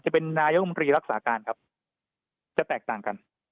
จะเป็นนายกรรมตรีรักษาการครับจะแตกต่างกัน